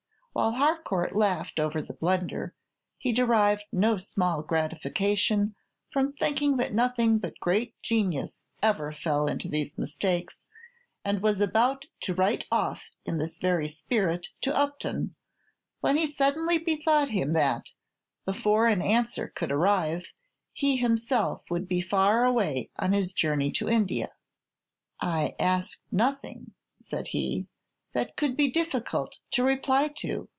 While Harcourt laughed over the blunder, he derived no small gratification from thinking that nothing but great geniuses ever fell into these mistakes, and was about to write off in this very spirit to Upton, when he suddenly bethought him that, before an answer could arrive, he himself would be far away on his journey to India. "I asked nothing," said he, "that could be difficult to reply to.